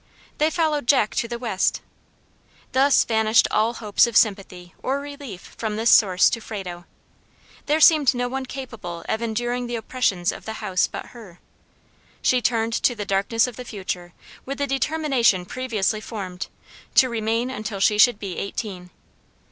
They followed Jack to the West. Thus vanished all hopes of sympathy or relief from this source to Frado. There seemed no one capable of enduring the oppressions of the house but her. She turned to the darkness of the future with the determination previously formed, to remain until she should be eighteen.